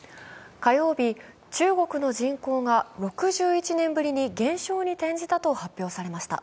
火曜日、中国の人口が６１年ぶりに減少に転じたと発表されました。